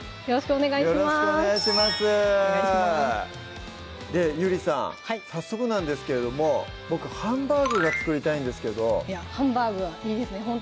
よろしくお願いしますでゆりさん早速なんですけれども僕ハンバーグが作りたいんですけどハンバーグはいいですね